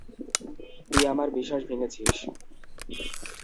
তুই আমার বিশ্বাস ভেঙেছিস।